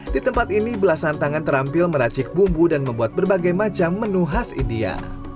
di tempat ini belasan tangan terampil meracik bumbu dan membuat berbagai macam menu khas india